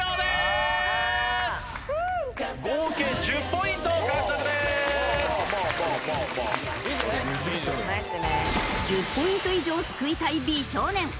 １０ポイント以上すくいたい美少年。